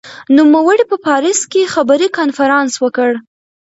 نوموړي په پاریس کې خبري کنفرانس وکړ.